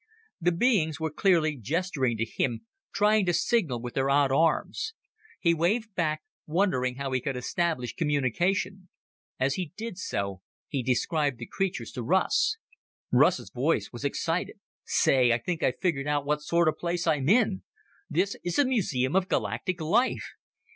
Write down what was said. The beings were clearly gesturing to him, trying to signal with their odd arms. He waved back, wondering how he could establish communication. As he did so, he described the creatures to Russ. Russ's voice was excited. "Say! I think I've figured out what sort of place I'm in. This is a museum of galactic life!